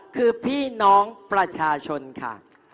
คือพี่น้องประชาชนค่ะ